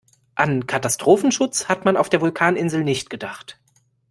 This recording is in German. An Katastrophenschutz hat man auf der Vulkaninsel nicht gedacht.